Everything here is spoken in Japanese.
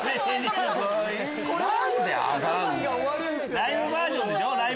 ライブバージョンでしょ？